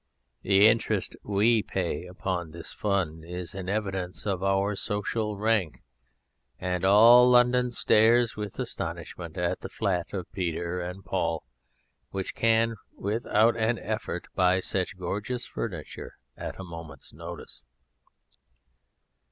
The interest WE pay upon the fund is an evidence of our social rank, and all London stares with astonishment at the flat of Peter and Paul, which can without an effort buy such gorgeous furniture at a moment's notice."